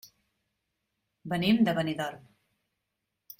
Venim de Benidorm.